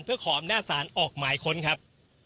เพื่อขออำนาจศาลออกหมายค้นครับ